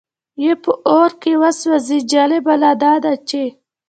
یې په اور کې وسوځي، جالبه لا دا چې.